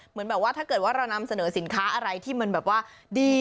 เหมือนแบบว่าถ้าเกิดว่าเรานำเสนอสินค้าอะไรที่มันแบบว่าดี